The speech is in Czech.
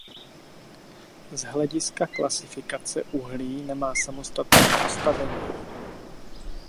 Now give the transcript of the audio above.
Z hlediska klasifikace uhlí nemá samostatné postavení.